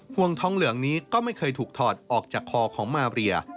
ห่วงทองเหลืองนี้ก็ไม่เคยถูกถอดออกจากคอของมาเรีย